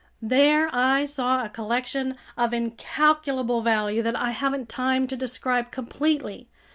There I saw a collection of incalculable value that I haven't time to describe completely.